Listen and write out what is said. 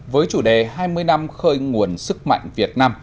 với chủ đề hai mươi năm khơi nguồn sức mạnh việt nam